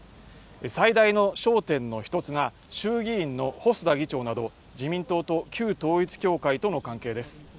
最大の焦点の一つが衆議院の細田議長など自民党と旧統一教会との関係です